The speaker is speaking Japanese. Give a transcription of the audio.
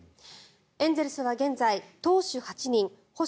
エンゼルスは現在、投手８